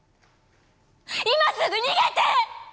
今すぐ逃げて！